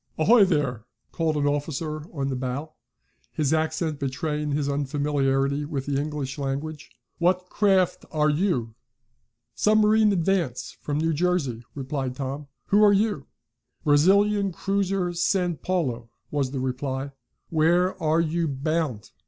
"Ahoy there!" called an officer in the bow, his accent betraying his unfamiliarity with the English language. "What craft are you?" "Submarine, Advance, from New Jersey," replied Tom. "Who are you?" "Brazilian cruiser San Paulo," was the reply. "Where are you bound?"